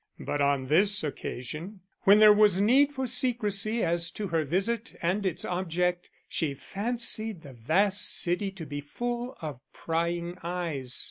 But on this occasion, when there was need for secrecy as to her visit and its object, she fancied the vast city to be full of prying eyes.